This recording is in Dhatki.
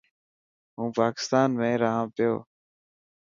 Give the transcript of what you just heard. هون پاڪتان ۾ رهنا پيو.